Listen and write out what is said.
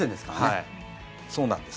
はい、そうなんです。